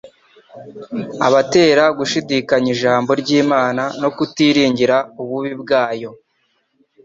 Abatera gushidikanya Ijambo ry'Imana, no kutiringira ububi bwayo.